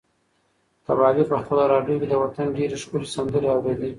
کبابي په خپله راډیو کې د وطن ډېرې ښکلې سندرې اورېدې.